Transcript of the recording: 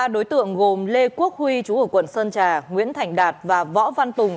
ba đối tượng gồm lê quốc huy chú ở quận sơn trà nguyễn thành đạt và võ văn tùng